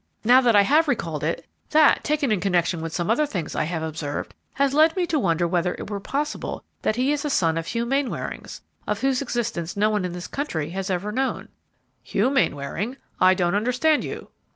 Now that I have recalled it, that, taken in connection with some other things I have observed, has led me to wonder whether it were possible that he is a son of Hugh Mainwaring's, of whose existence no one in this country has ever known." "Hugh Mainwaring! I don't understand you."